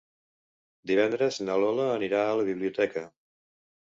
Divendres na Lola anirà a la biblioteca.